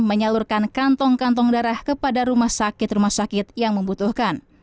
menyalurkan kantong kantong darah kepada rumah sakit rumah sakit yang membutuhkan